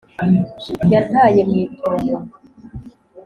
Yantaye mw'itongo